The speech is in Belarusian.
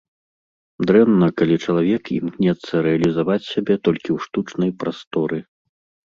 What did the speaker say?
Дрэнна, калі чалавек імкнецца рэалізаваць сябе толькі ў штучнай прасторы.